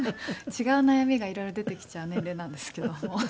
違う悩みが色々出てきちゃう年齢なんですけども。